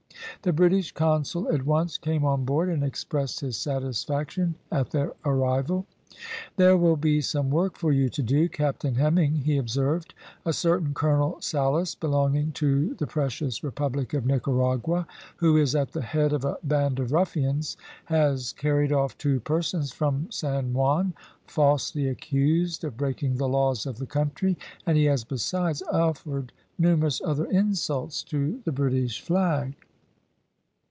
The British consul at once came on board, and expressed his satisfaction at their arrival. "There will be some work for you to do, Captain Hemming," he observed. "A certain Colonel Salas, belonging to the precious Republic of Nicaragua, who is at the head of a band of ruffians, has carried off two persons from San Juan, falsely accused of breaking the laws of the country, and he has, besides, offered numerous other insults to the British flag."